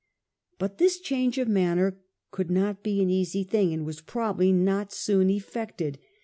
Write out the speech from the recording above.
But this change of manner could not be an easy thing, and was probably not soon effected.